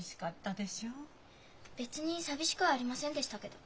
別に寂しくはありませんでしたけど。